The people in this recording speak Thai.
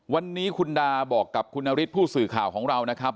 วันนี้คุณดาบอกกับคุณนฤทธิผู้สื่อข่าวของเรานะครับ